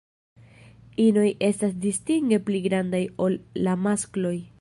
Inoj estas distinge pli grandaj ol la maskloj.